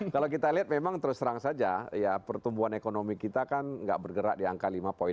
kalau kita lihat memang terus terang saja ya pertumbuhan ekonomi kita kan nggak bergerak di angka lima